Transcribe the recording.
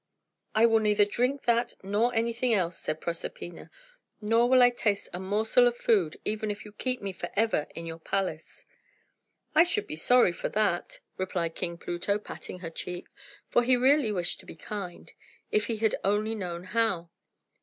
"I will neither drink that nor anything else," said Proserpina. "Nor will I taste a morsel of food, even if you keep me forever in your palace." "I should be sorry for that," replied King Pluto, patting her cheek; for he really wished to be kind, if he had only known how.